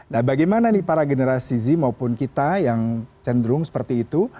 nah bagaimana nih para generasi z maupun kita yang cenderung seperti itu